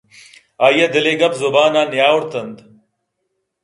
آئی ءَ دل ءِ گپ زبان ء نیا ورت اَنت